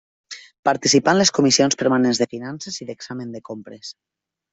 Participà en les Comissions permanents de Finances i d'Examen de Compres.